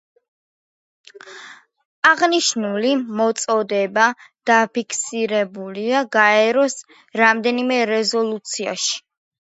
აღნიშნული მოწოდება დაფიქსირებულია გაეროს რამდენიმე რეზოლუციაში.